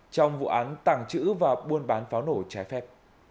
trong vụ án tẳng chữ và buôn bán pháo nổ trái phép